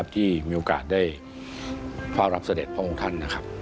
ที่มีโอกาสได้เฝ้ารับเสด็จพระองค์ท่าน